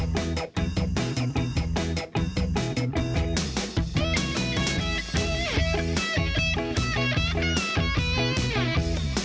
โปรดติดตามตอนต่อไป